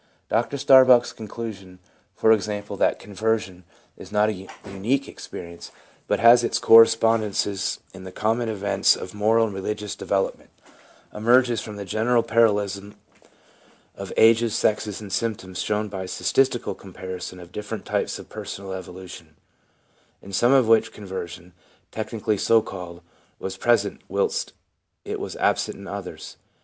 Dr Starbucks conclusion, for example, that ' conversion ' is not a unique experience, but has its correspondences in the common events of moral and religious development, emerges from the general parallelism of ages, sexes, and symptoms shown by statistical comparison of different types of personal evolution, in some of which conversion, technically so called, was present, whilst it was absent in others.